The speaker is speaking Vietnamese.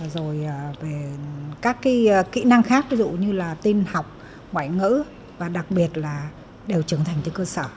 rồi về các kỹ năng khác ví dụ như là tin học ngoại ngữ và đặc biệt là đều trưởng thành từ cơ sở